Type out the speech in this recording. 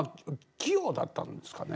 器用だったんですかね？